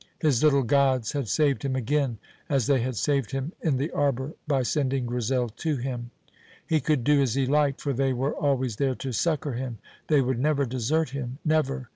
His little gods had saved him again, as they had saved him in the arbour by sending Grizel to him. He could do as he liked, for they were always there to succour him; they would never desert him never.